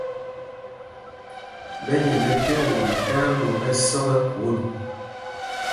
Ɓɛ nyɛl ɛte won tí alwǒmb ɛsɔk ɛ́ khwôn.